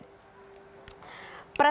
presentase dari empat puluh enam persen